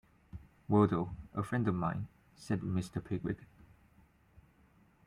Wardle — a friend of mine,’ said Mr. Pickwick.